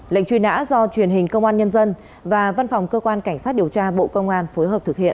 lệnh truy nã do truyền hình công an nhân dân và văn phòng cơ quan cảnh sát điều tra bộ công an phối hợp thực hiện